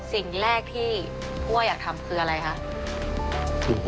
สิ่งแรกที่อ้วอยากทำคืออะไรคะ